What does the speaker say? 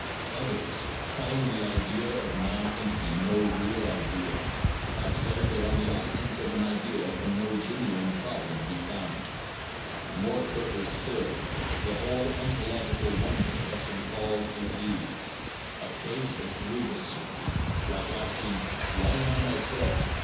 Others, calling the idea of nonentity no real idea, have said that on the absence of an idea can no genuine problem be founded. More curtly still, the whole ontological wonder has been called diseased, a case of Grilbelsucht like asking, Why am I myself?